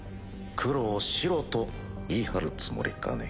黒を白と言い張るつもりかね？